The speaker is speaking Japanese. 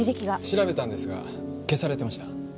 調べたんですが消されてました。